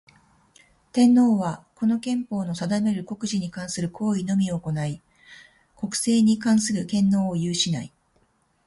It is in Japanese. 天皇は、この憲法の定める国事に関する行為のみを行ひ、国政に関する権能を有しない。